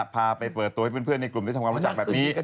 พาไปเปิดตัวให้เพื่อนในกลุ่มได้ทำความรู้จักแบบนี้